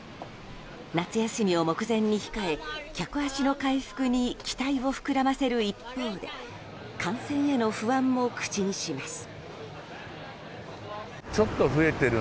夏休みを目前に控え客足の回復に期待を膨らませる一方で感染への不安も口にします。